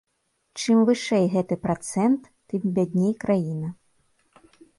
Чым вышэй гэты працэнт, тым бядней краіна.